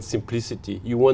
giúp các người